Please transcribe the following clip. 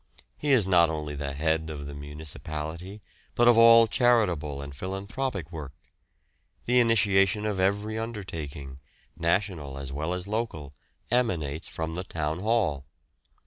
He is not only the head of the municipality, but of all charitable and philanthropic work. The initiation of every undertaking, national as well as local, emanates from the Town Hall.